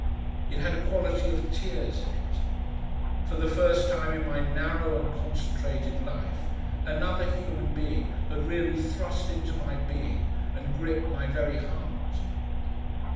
It had a quality of tears in it. For the first time in my narrow and concentrated life another human being had really thrust into my being and gripped my very heart.